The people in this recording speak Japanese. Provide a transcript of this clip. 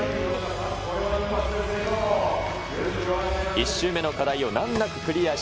１周目の課題を難なくクリアし